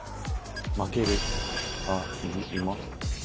負ける？え？